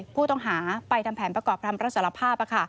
ผู้ต้องหาไปทำแผนประกอบคำรับสารภาพ